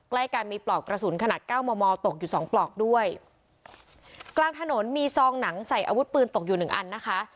ใกล้กันมีปลอกกระสุนขนาดเก้ามอมอตกอยู่สองปลอกด้วยกลางถนนมีซองหนังใส่อาวุธปืนตกอยู่หนึ่งอันนะคะ